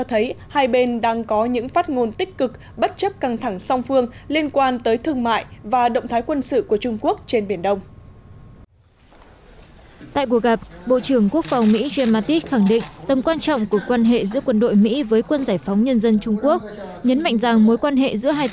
hãy đăng ký kênh để ủng hộ kênh của mình nhé